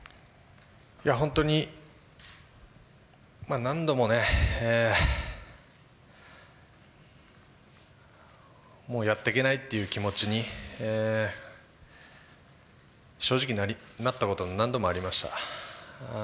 本当に何度もね、もうやってけないっていう気持ちに正直なったこと、何度もありました。